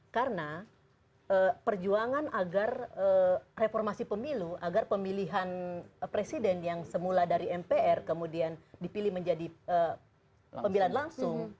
karena perjuangan agar reformasi pemilu agar pemilihan presiden yang semula dari mpr kemudian dipilih menjadi pemilihan langsung